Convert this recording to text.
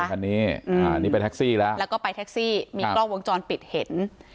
คันนี้นี่ไปแท็กซี่แล้วแล้วก็ไปแท็กซี่มีกล้องวงจรปิดเห็น